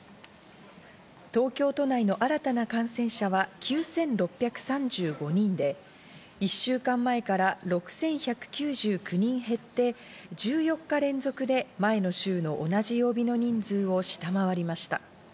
東京都内の新たな感染者は９６３５人で、１週間前から６１９９人減って、１４日連続で前の週の同じ曜日の人数を下回りました。